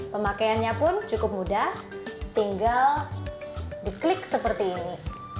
pemakaiannya pun cukup mudah tinggal di klik seperti ini